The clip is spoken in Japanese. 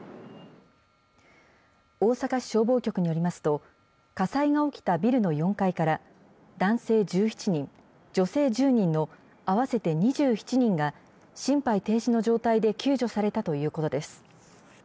大阪市消防局によりますと、火災が起きたビルの４階から、男性１７人、女性１０人の合わせて２７人が心肺停止の状態で救助されたということです。